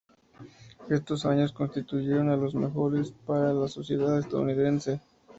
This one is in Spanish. Estos años constituyeron los mejores para la sociedad estadounidense.